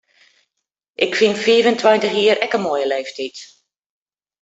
Ik fyn fiif en tweintich jier ek in moaie leeftyd.